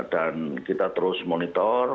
dan kita terus monitor